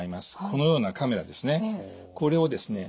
このようなカメラですね。